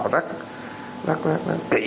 rắc rắc rắc kỹ